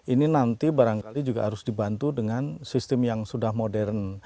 ini nanti barangkali juga harus dibantu dengan sistem yang sudah modern